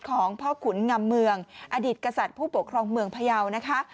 ของพ่อขุนงำเมืองอดีตกษัตริย์ผู้ปกครองเมืองพยาวนะคะ